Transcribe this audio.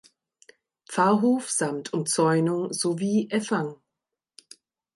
Pfarrhof samt Umzäunung" sowie "Evang.